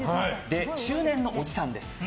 中年のおじさんです。